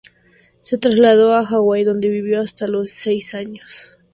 Se trasladó a Hawái, donde vivió hasta los seis años.